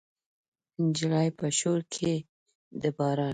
نجلۍ په شور کې د باران